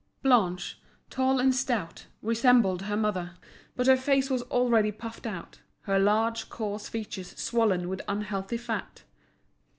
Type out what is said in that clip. Blanche, tall and stout, resembled her mother; but her face was already puffed out, her large, coarse features swollen with unhealthy fat.